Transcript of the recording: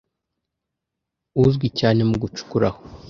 uzwi cyane mu gucukura aho